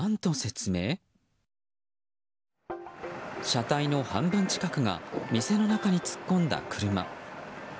車体の半分近くが店の中に突っ込んだ車。